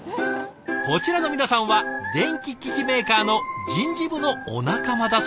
こちらの皆さんは電気機器メーカーの人事部のお仲間だそう。